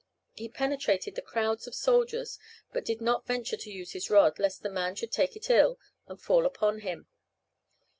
He penetrated the crowds of soldiers, but did not venture to use his rod, lest the men should take it ill, and fall upon him.